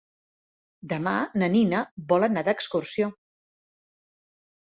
Demà na Nina vol anar d'excursió.